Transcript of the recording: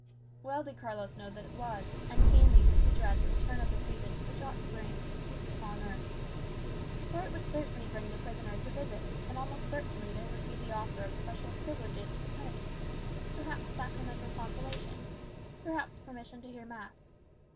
Well did Carlos know that it was; and keenly did he dread the return of the season which ought to bring "peace upon earth." For it would certainly bring the prisoners a visit; and almost certainly there would be the offer of special privileges to the penitent, perhaps sacramental consolation, perhaps permission to hear mass.